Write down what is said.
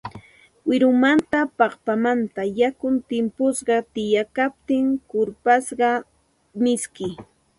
Wirumanta, paqpamanta yakun timpusqa tikayaptin kurpasqa miski